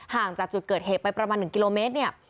ห่างจากจุดเกิดเหตุไปประมาณ๑กิโลเมตรเนี่ย